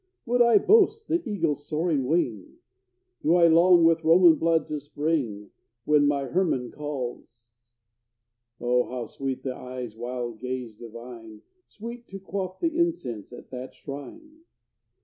Would I boast the eagle's soaring wing? Do I long with Roman blood to spring, When my Hermann calls? Oh, how sweet the eye's wild gaze divine Sweet to quaff the incense at that shrine!